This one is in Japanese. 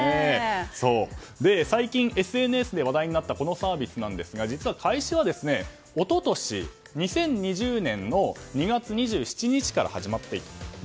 最近ＳＮＳで話題になったこのサービスですが実は一昨年２０２０年２月２７日から始まっている。